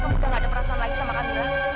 kamu udah nggak ada perasaan lain sama kamila